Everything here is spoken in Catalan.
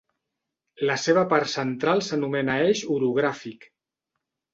La seva part central s'anomena eix orogràfic.